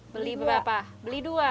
beli berapa beli dua